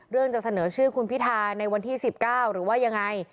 จะเสนอชื่อคุณพิธาในวันที่๑๙หรือว่ายังไง